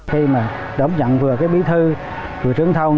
khi mà đổng dặn vừa cái bí thư vừa trưởng thôn